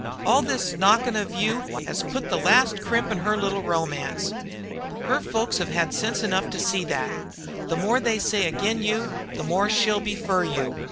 All this knockin' of you has put the last crimp in her little romance. Her folks might hev hod sense enough to see thet. The more they say agin you the more she'll be fer you.